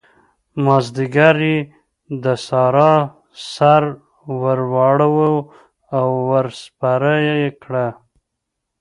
مازديګر يې د سارا سر ور واړاوو او ور سپره يې کړه.